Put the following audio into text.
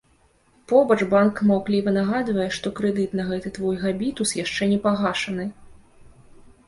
Побач банк маўкліва нагадвае, што крэдыт за гэты твой габітус яшчэ не пагашаны.